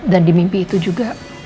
dan di mimpi itu juga